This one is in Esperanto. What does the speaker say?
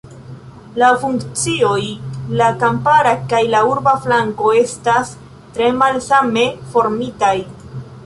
Laŭ funkcioj la kampara kaj la urba flanko estas tre malsame formitaj.